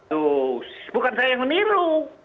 tuh bukan saya yang meniru